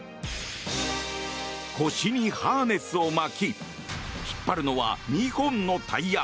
腰にハーネスを巻き引っ張るのは２本のタイヤ。